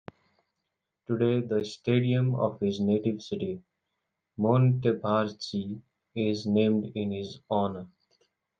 Today the stadium of his native city, Montevarchi, is named in his honour.